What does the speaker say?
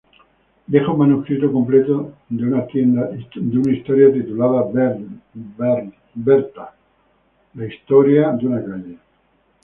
Dejó un manuscrito completo de una historia titulada "Bertha, A Tale of St.